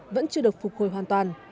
vẫn chưa được phục hồi hoàn toàn